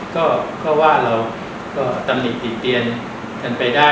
ก็ว่าเราก็ตำหนิผิดเตียนกันไปได้